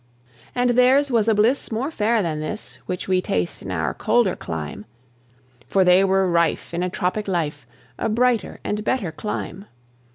And theirs was a bliss more fair than this Which we taste in our colder clime; For they were rife in a tropic life A brighter and better clime.